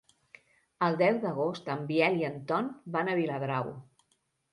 El deu d'agost en Biel i en Ton van a Viladrau.